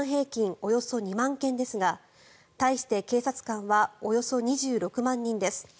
およそ２万件ですが対して警察官はおよそ２６万人です。